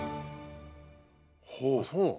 ほうそう。